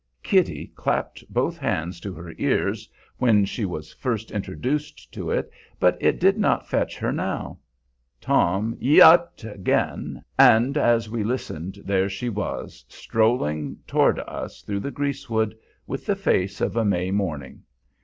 Kitty clapped both hands to her ears when she was first introduced to it, but it did not fetch her now. Tom "yee iped" again, and as we listened there she was, strolling toward us through the greasewood, with the face of a May morning!